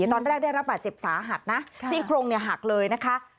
ตอนแรกได้รับป่าเจ็บสาหัดนะที่อีกโครงเนี่ยหักเลยนะคะ